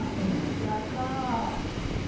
やったあ！